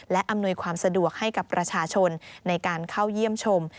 และอำนวยความสะดวกให้กับประชาชนในการเข้าเยี่ยมชม